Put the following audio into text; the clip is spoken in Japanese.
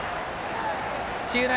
土浦